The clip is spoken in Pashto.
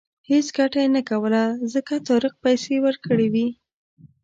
هېڅ ګټه یې نه کوله ځکه طارق پیسې ورکړې وې.